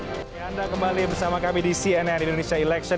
oke anda kembali bersama kami di cnn indonesia election